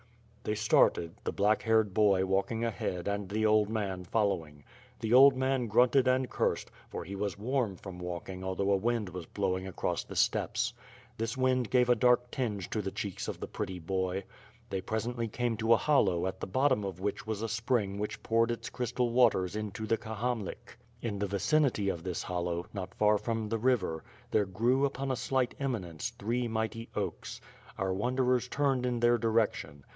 They started, the black haired boy walking ahead and the old man following. The old man grunted and cursed, for he was warm from walking although a wind was blowing across WITH FIRE AND &WORD. 26 1 the steppes. This wind gave a dark tmge to the cheeks of the pretty boy. They presently came to a hollow, at the bottom of which was a spring which poured its crystal waters into the Kahamlik. In the vicinity of this hollow, not far from the river, there grew, upon a slight eminence, three mighty oaks. Our wanderers turned in their direction.